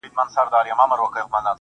خدايه پنځه وخته محراب چي په لاسونو کي دی